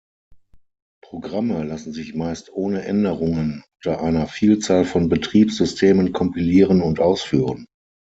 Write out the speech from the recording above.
Programme lassen sich meist ohne Änderungen unter einer Vielzahl von Betriebssystemen kompilieren und ausführen.